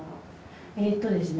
えとですね